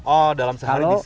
oh dalam sehari bisa